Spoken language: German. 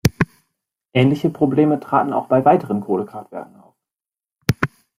Ähnliche Probleme traten auch bei weiteren Kohlekraftwerken auf.